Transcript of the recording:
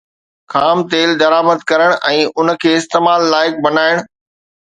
خام تيل درآمد ڪرڻ ۽ ان کي استعمال لائق بڻائڻ